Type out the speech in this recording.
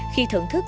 khi thưởng thức